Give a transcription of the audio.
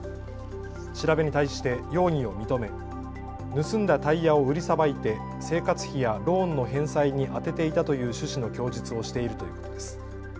調べに対して容疑を認め盗んだタイヤを売りさばいて生活費やローンの返済に充てていたという趣旨の供述をしているということです。